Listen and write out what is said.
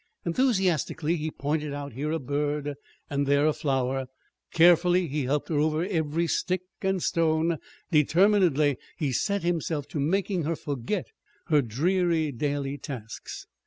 Enthusiastically he pointed out here a bird and there a flower; carefully he helped her over every stick and stone; determinedly he set himself to making her forget her dreary daily tasks.